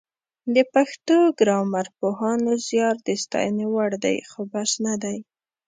د پښتو ګرامرپوهانو زیار د ستاینې وړ دی خو بس نه دی